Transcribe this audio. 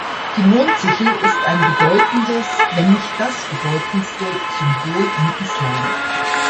Die Mondsichel ist ein bedeutendes, wenn nicht das bedeutendste Symbol im Islam.